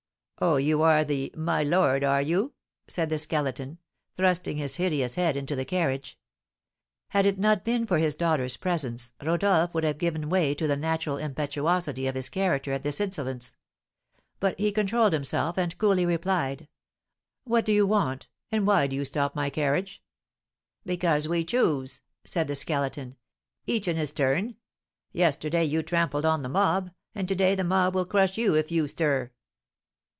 "Oh, you are the 'my lord,' are you?" said the Skeleton, thrusting his hideous head into the carriage. Had it not been for his daughter's presence, Rodolph would have given way to the natural impetuosity of his character at this insolence; but he controlled himself, and coolly replied: "What do you want, and why do you stop my carriage?" "Because we choose," said the Skeleton. "Each in his turn. Yesterday you trampled on the mob, and to day the mob will crush you if you stir."